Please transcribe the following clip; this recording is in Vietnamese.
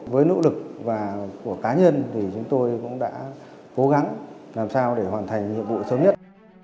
với nỗ lực và của cá nhân thì chúng tôi cũng đã cố gắng làm sao để hoàn thành nhiệm vụ sớm nhất